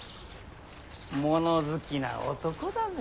物好きな男だぜ。